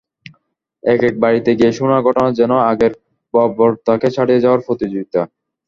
একেক বাড়িতে গিয়ে শোনা ঘটনা যেন আগের বর্বরতাকে ছাড়িয়ে যাওয়ার প্রতিযোগিতা।